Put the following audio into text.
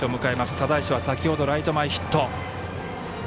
只石は、先ほどライト前ヒット。